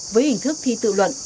với hình thức thi tự luận